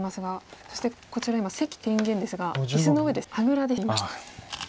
そしてこちら今関天元ですが椅子の上であぐらで今。